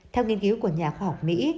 theo nghiên cứu của nhà khoa học mỹ